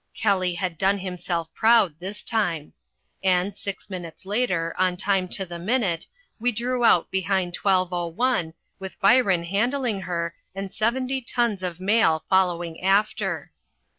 Kelly had done himself proud this time. And six minutes later, on time to the minute, we drew out behind 1201, with Byron handling her and seventy tons of mail following after.